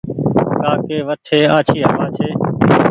ڪآ ڪي وٺي آڇي هوآ ڇي ۔